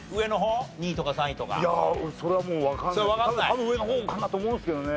多分上の方かなと思うんですけどね。